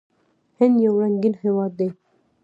هند یو رنګین هیواد دی.